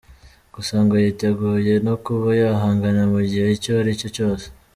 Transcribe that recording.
Gusa ngo yiteguye no kuba yahangana mu gihe icyo ari cyo cyose.